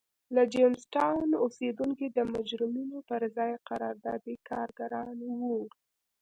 د جېمز ټاون اوسېدونکي د مجرمینو پر ځای قراردادي کارګران وو.